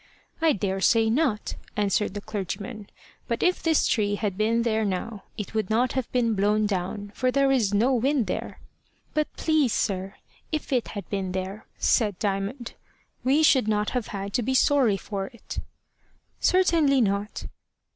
"I daresay not," answered the clergyman; "but if this tree had been there now, it would not have been blown down, for there is no wind there." "But, please, sir, if it had been there," said Diamond, "we should not have had to be sorry for it." "Certainly not."